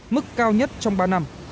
mức cao nhất trong ba năm